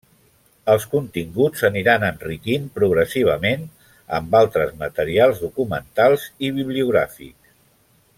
Els continguts s'aniran enriquint progressivament amb altres materials documentals i bibliogràfics.